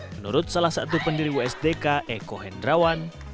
menurut salah satu pendiri wsdk eko hendrawan